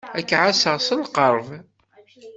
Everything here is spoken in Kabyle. Ad k-ɛasseɣ s lqerb.